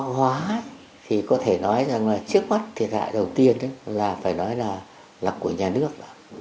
đề hoa thì có thể nói rằng là trước mắt thiệt hại đầu tiên là phải nói là là của nhà nước